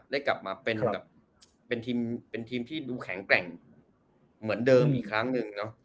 ได้กลับมาเป็นแบบเป็นทีมที่ดูแข็งแกร่งเหมือนเดิมอีกครั้งหนึ่งเนอะ